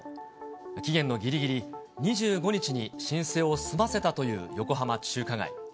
期限のぎりぎり、２５日に申請を済ませたという横浜中華街。